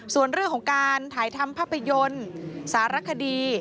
ส่วนเรื่องของการถ่ายทำภาพยนตร์สารคดี